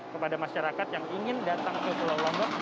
kepada masyarakat yang ingin datang ke pulau lombok